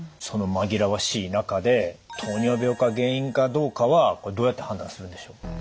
その紛らわしい中で糖尿病が原因かどうかはこれどうやって判断するんでしょう？